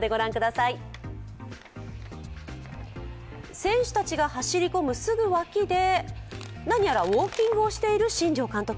選手たちが走り込むすぐ脇で、何やらウオーキングをしている新庄監督。